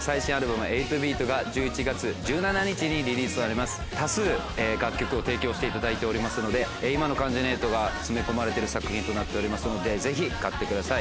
そんな人気多数楽曲を提供していただいておりますので今の関ジャニ∞が詰め込まれてる作品となっておりますのでぜひ買ってください